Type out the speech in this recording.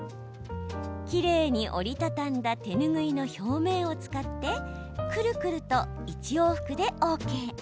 きれいに折り畳んだ手ぬぐいの表面を使ってくるくると１往復でＯＫ。